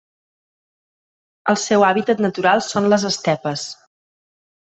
El seu hàbitat natural són les estepes.